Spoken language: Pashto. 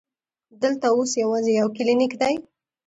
دلته اوس یوازې یو کلینک دی.